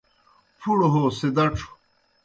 پُھڑوْ ہو سِدَڇھوْ